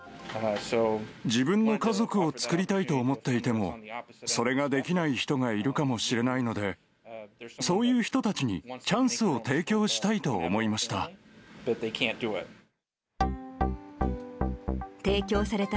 自分の家族を作りたいと思っていても、それができない人がいるかもしれないので、そういう人たちにチャンスを提供したいと思いました。